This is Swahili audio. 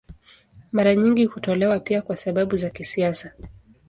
Mara nyingi hutolewa pia kwa sababu za kisiasa.